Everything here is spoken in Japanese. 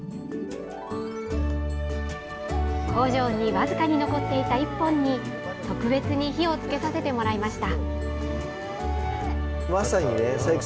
僅かに残っていた１本に、特別に火をつけさせてもらいました。